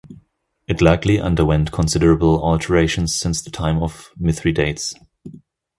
It likely underwent considerable alterations since the time of Mithridates.